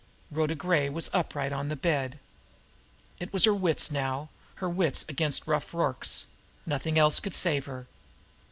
Rhoda Gray sat upright on the bed. It was her wits now, her wits against Rough Rorke's; nothing else could save her.